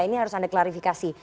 ini harus anda klarifikasi